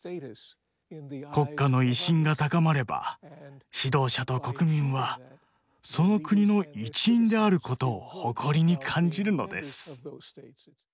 国家の威信が高まれば指導者と国民はその国の一員であることを誇りに感じるのです。